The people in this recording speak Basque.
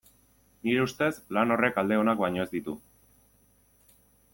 Nire ustez, lan horrek alde onak baino ez ditu.